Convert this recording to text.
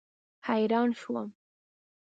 حیران شوم.